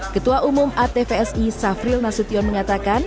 ketua umum atvsi safril nasution mengatakan